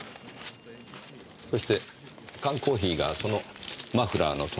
そして缶コーヒーがそのマフラーの隣にありました。